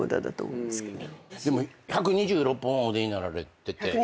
でも１２６本お出になられてて。